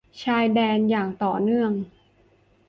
ชายแดนอย่างต่อเนื่อง